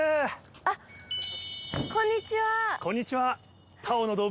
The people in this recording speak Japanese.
あっこんにちは。